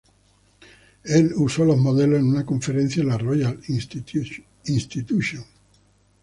El usó los modelos en una conferencia en la Royal Institution.